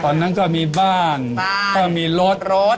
ตอนนั้นก็มีบ้านก็มีรถรถ